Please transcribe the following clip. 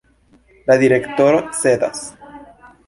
La direktoro cedas.